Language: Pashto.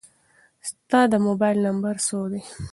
ستا د موبایل نمبر څو دی؟